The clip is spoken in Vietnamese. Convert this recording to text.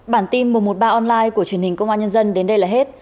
bản tin mùa một ba online của truyền hình công an nhân dân đến đây là hết